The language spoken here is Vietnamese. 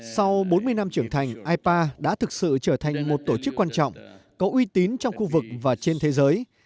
sau bốn mươi năm trưởng thành ipa đã thực sự trở thành một tổ chức quan trọng có uy tín trong khu vực và trên thế giới